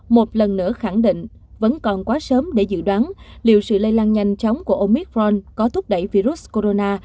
một lần nữa khẳng định vẫn còn quá sớm để dự đoán liệu sự lây lan nhanh chóng của omicron có thúc đẩy virus corona